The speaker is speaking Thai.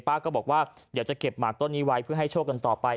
ก็บอกว่าเดี๋ยวจะเก็บหมากต้นนี้ไว้เพื่อให้โชคกันต่อไป